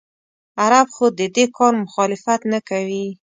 عرب خو د دې کار مخالفت نه کوي.